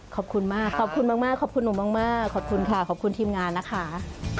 ขอบคุณมากขอบคุณมากขอบคุณหนูมากขอบคุณค่ะขอบคุณทีมงานนะคะ